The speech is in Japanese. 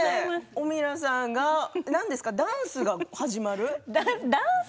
オミラさんが何ですかダンスが始まる？